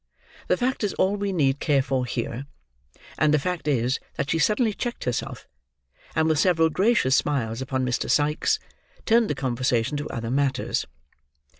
The fact is all we need care for here; and the fact is, that she suddenly checked herself, and with several gracious smiles upon Mr. Sikes, turned the conversation to other matters.